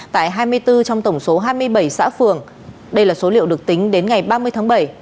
tại hai mươi bốn trong tổng số hai mươi bảy xã phường đây là số liệu được tính đến ngày ba mươi tháng bảy